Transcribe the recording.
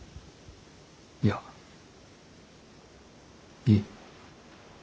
いやいい。